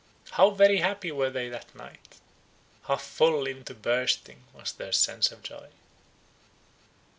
How very happy were they that night! How full even to bursting was their sense of joy!